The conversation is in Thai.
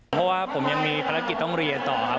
เพราะว่าผมยังมีภารกิจต้องเรียนต่อครับ